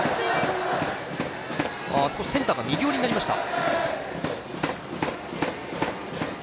少しセンターが右寄りになりました。